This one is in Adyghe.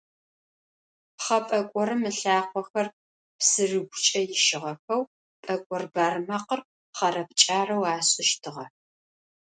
Пхъэ пӏэкӏорым ылъакъохэр псырыгукӏэ ищыгъэхэу, пӏэкӏор бармэкъыр хъэрэ-пкӏарэу ашӏыщтыгъэ.